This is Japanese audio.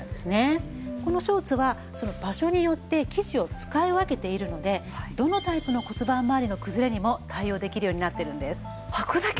このショーツは場所によって生地を使い分けているのでどのタイプの骨盤まわりの崩れにも対応できるようになってるんです。